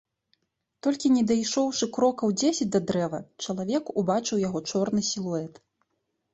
Толькі не дайшоўшы крокаў дзесяць да дрэва, чалавек убачыў яго чорны сілуэт.